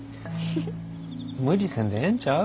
無理せんでええんちゃう？